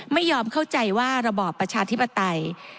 ไม่ยอมเข้าใจว่าระบอบประชาธิปไตย